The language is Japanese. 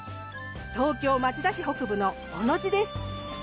東京町田市北部の小野路です。